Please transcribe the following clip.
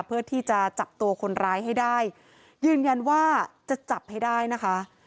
เพื่อที่จะจับตัวคนร้ายให้ได้ยืนยันว่าจะจับให้ได้นะคะ